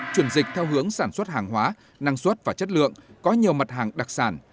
chuyển dịch theo hướng sản xuất hàng hóa năng suất và chất lượng có nhiều mặt hàng đặc sản